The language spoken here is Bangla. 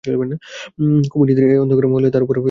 কুমুর চিত্তের এ অন্ধকার মহলে ওর উপর দাদার একটুও দখল নেই।